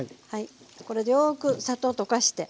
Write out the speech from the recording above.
これよく砂糖溶かして。